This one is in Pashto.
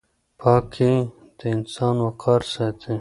پاکي د انسان وقار ساتي.